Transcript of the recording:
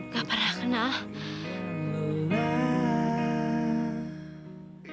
gak pernah kenal